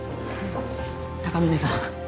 ・高峰さん。